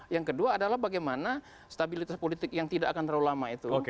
yang kedua adalah bagaimana stabilitas politik yang tidak akan terlalu lama itu